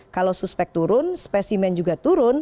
kalau suspek turun spesimen juga turun